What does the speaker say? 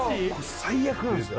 最悪なんすよ